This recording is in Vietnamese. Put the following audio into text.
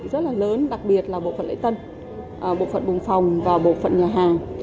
cơ hội rất là lớn đặc biệt là bộ phận lễ tân bộ phận bùng phòng và bộ phận nhà hàng